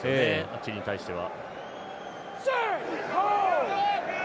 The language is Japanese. チリに対しては。